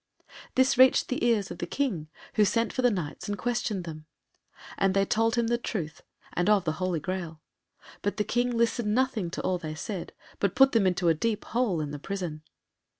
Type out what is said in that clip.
This reached the ears of the King, who sent for the Knights and questioned them. And they told him the truth, and of the Holy Graal; but the King listened nothing to all they said, but put them into a deep hole in the prison.